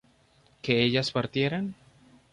¿que ellas partieran?